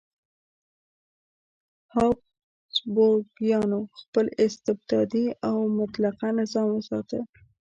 هابسبورګیانو خپل استبدادي او مطلقه نظام وساته.